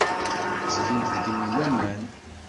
Ttgent deg-m laman.